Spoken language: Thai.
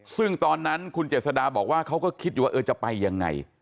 ซึ่งตอนนั้นคุณเจษฎาบอกว่าเขาก็คิดอยู่ว่าจะไปยังไง